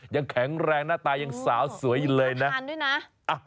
ยังแข็งแรงหน้าตายังสาวสวยเลยนะ